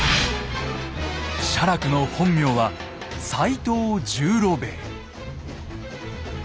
写楽の本名は斎藤十郎兵衛。